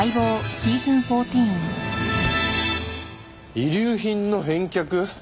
遺留品の返却。